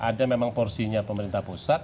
ada memang porsinya pemerintah pusat